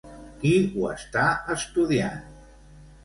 Qui ho està estudiant?